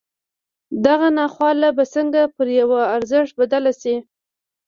دغه ناخواله به څنګه پر يوه ارزښت بدله شي.